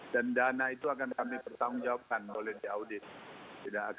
dan dana itu akan kami bertanggung jawabkan oleh di audit